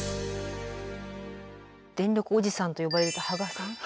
電力おじさんと呼ばれていた芳賀さん。